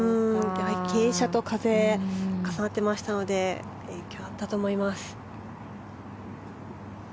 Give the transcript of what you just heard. やはり傾斜と風重なってましたので影響があったと思います。